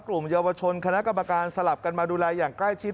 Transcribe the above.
กลุ่มเยาวชนคณะกรรมการสลับกันมาดูแลอย่างใกล้ชิด